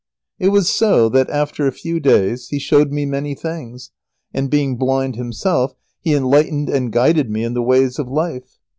] It was so that, after a few days, he showed me many things, and being blind himself, he enlightened and guided me in the ways of life.